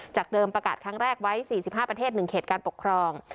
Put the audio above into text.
เดิมประกาศครั้งแรกไว้๔๕ประเทศ๑เขตการปกครอง